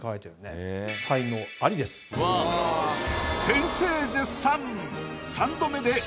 先生絶賛！